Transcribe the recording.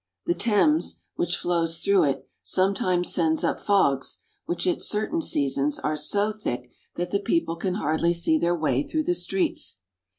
The Thames, which flows through it, sometimes sends up fogs, which at certain seasons are so thick that the people can hardly see their way through the streets.